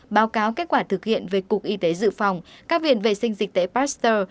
báo cáo kết quả thực hiện về cục y tế dự phòng các viện vệ sinh dịch tế pasteur